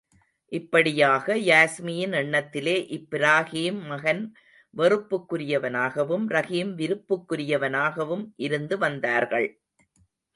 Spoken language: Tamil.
இப்படியாக, யாஸ்மியின் எண்ணத்திலே இப்ராஹீம் மகன் வெறுப்புக் குரியவனாகவும் ரஹீம் விருப்புக்குரியவனாகவும் இருந்து வந்தார்கள்.